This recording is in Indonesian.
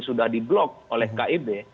sudah di blok oleh kib